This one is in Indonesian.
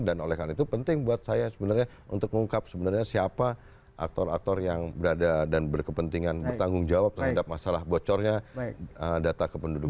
dan oleh hal itu penting buat saya sebenarnya untuk mengungkap sebenarnya siapa aktor aktor yang berada dan berkepentingan bertanggung jawab terhadap masalah bocornya data kependudukan